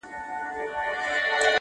د احتیاج په ورځ د هر سړي غلام وي!!